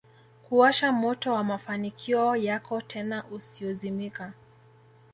kuwasha moto wa mafanikio yako tena usiozimika